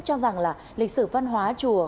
cho rằng là lịch sử văn hóa chùa